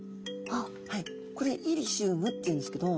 これイリシウムっていうんですけど。